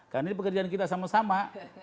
karena ini pekerjaan kita sama sama